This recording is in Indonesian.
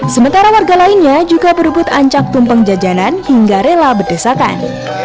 sementara warga lainnya juga berebut ancak tumpeng jajanan hingga rela berdesakan